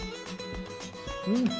うん！